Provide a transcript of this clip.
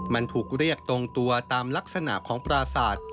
มันถูกเรียกตรงตัวตามลักษณะของปราศาสตร์